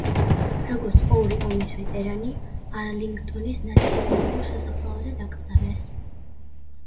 როგორც ორი ომის ვეტერანი, არლინგტონის ნაციონალური სასაფლაოზე დაკრძალეს.